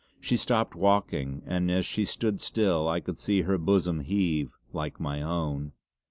She stopped walking, and as she stood still I could see her bosom heave like my own.